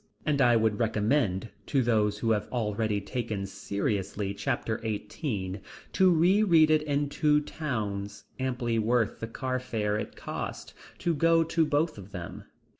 And I would recommend to those who have already taken seriously chapter eighteen, to reread it in two towns, amply worth the car fare it costs to go to both of them.